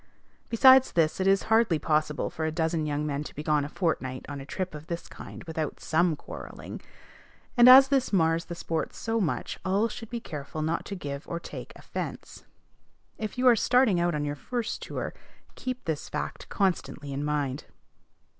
Besides this, it is hardly possible for a dozen young men to be gone a fortnight on a trip of this kind without some quarrelling; and, as this mars the sport so much, all should be careful not to give or take offence. If you are starting out on your first tour, keep this fact constantly in mind.